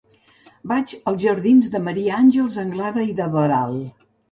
Vaig als jardins de Maria Àngels Anglada i d'Abadal.